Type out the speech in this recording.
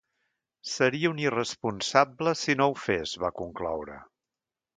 Seria un irresponsable si no ho fes, va concloure.